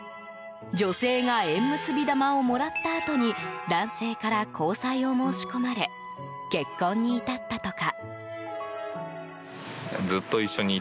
女性が縁結び玉をもらったあとに男性から交際を申し込まれ結婚に至ったとか。